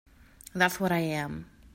That's what I am.